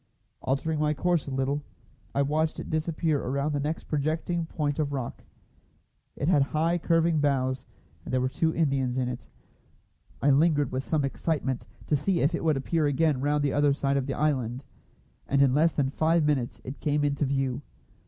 Altering my course a little, I watched it disappear around the next projecting point of rock. It had high curving bows, and there were two Indians in it. I lingered with some excitement, to see if it would appear again round the other side of the island; and in less than five minutes it came into view.